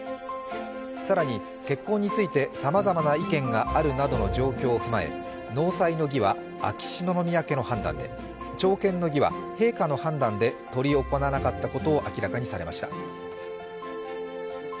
更に結婚についてさまざまな意見があるなどの状況を踏まえ納采の儀は秋篠宮家の判断で、朝見の儀は陛下の判断で執り行わなかったことを明らかにされました。